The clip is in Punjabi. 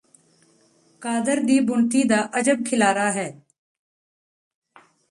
ਕਾਦਰ ਦੀ ਬੁਣਤੀ ਦਾ ਅਜਬ ਖਿਲਾਰਾ ਹੈ